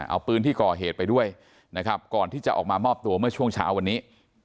เอาปืนที่ก่อเหตุไปด้วยนะครับก่อนที่จะออกมามอบตัวเมื่อช่วงเช้าวันนี้